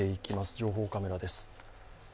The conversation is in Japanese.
情報カメラです。